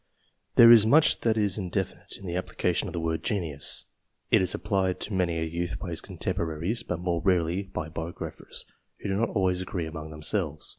There is much that is indefinite in the application of the word genius. It is applied to many a youth by his contemporaries, but more rarely by biographers, who do not always agree among themselves.